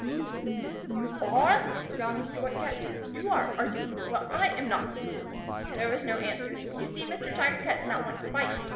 "Oo oo! You are?" growled Mr. White Cat. "You are, are you? Well, I am not!" There was no answer. You see Mr. Tiger Cat did not want to fight.